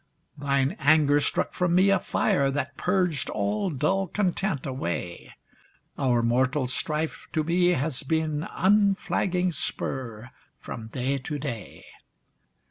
Thine anger struck from me a fire That purged all dull content away, Our mortal strife to me has been Unflagging spur from day to day.